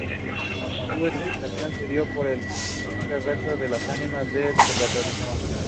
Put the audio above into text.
No toll barriers were placed along this road.